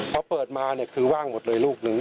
พอเปิดมาคือว่างหมดเลยลูกหนึ่ง